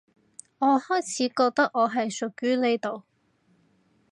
我開始覺得我係屬於呢度